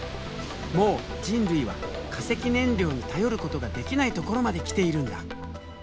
もう人類は化石燃料に頼ることができないところまで来ているんだ。